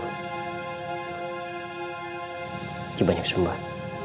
jangan banyak sembah